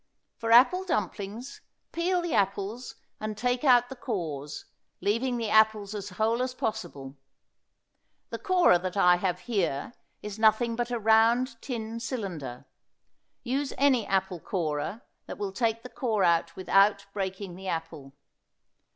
For apple dumplings, peel the apples and take out the cores, leaving the apples as whole as possible. The corer that I have here is nothing but a round tin cylinder. Use any apple corer that will take the core out without breaking the apple.